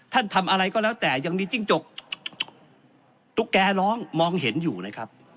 ทำอะไรก็แล้วแต่ยังมีจิ้งจกตุ๊กแกร้องมองเห็นอยู่เลยครับ